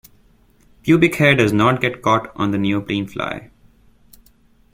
Pubic hair does not get caught on the neoprene fly.